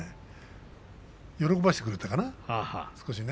喜ばせてくれたかな、少しね。